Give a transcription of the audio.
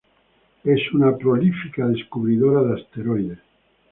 Es una prolífica descubridora de asteroides.